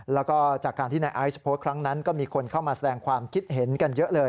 แล้วก็จากการที่นายไอซ์โพสต์ครั้งนั้นก็มีคนเข้ามาแสดงความคิดเห็นกันเยอะเลย